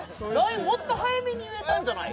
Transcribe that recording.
もっと早めに言えたんじゃない？